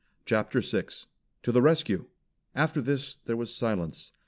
CHAPTER VI TO THE RESCUE After this there was silence.